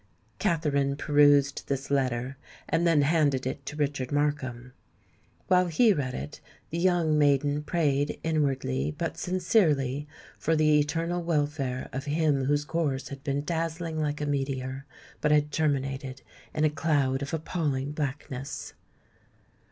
Katherine perused this letter, and then handed it to Richard Markham. While he read it, the young maiden prayed inwardly but sincerely for the eternal welfare of him whose course had been dazzling like a meteor, but had terminated in a cloud of appalling blackness.